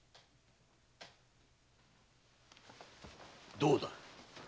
どうだ。